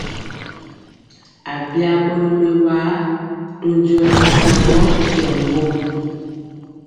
Abya ɓɔnɔ mɛwaa to njɔɔ ɓɛsaŋgɔ tyɔ ŋgom.